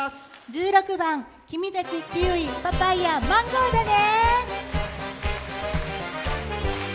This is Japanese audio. １６番「君たちキウイ・パパイア・マンゴーだね。」。